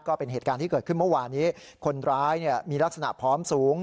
ก็เป็นเหตุการณ์ที่เกิดขึ้นเมื่อวานี้คนร้ายมีลักษณะพร้อมสูง